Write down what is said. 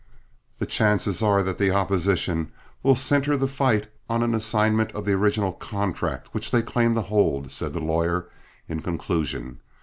"The chances are that the opposition will centre the fight on an assignment of the original contract which they claim to hold," said the lawyer, in conclusion.